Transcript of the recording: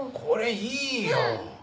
これいいよ。